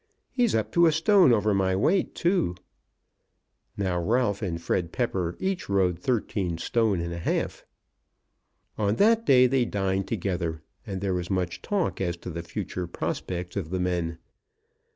He's up to a stone over my weight, too." Now Ralph and Fred Pepper each rode thirteen stone and a half. On that day they dined together, and there was much talk as to the future prospects of the men.